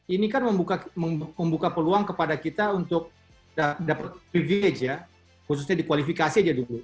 ini kan membuka peluang kepada kita untuk dapat privilege ya khususnya dikualifikasi aja dulu